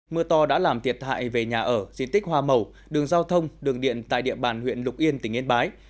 mưa to đã làm thiệt hại về nhà ở diện tích hoa màu đường giao thông đường điện tại địa bàn huyện lục yên tỉnh yên bái